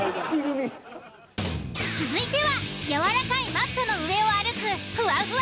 ［続いてはやわらかいマットの上を歩く］